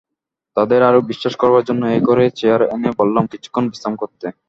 তাদের আরো বিশ্বাস করাবার জন্যে এ ঘরেই চেয়ার এনে বললাম কিছুক্ষণ বিশ্রাম করতে।